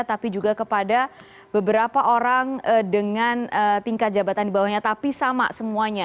tapi juga kepada beberapa orang dengan tingkat jabatan di bawahnya tapi sama semuanya